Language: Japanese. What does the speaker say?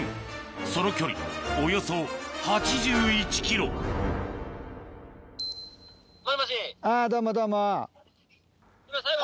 その距離およそ８１ｋｍもしもし。